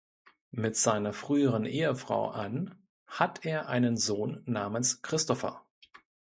Mit seiner früheren Ehefrau Ann hat er einen Sohn namens Christopher.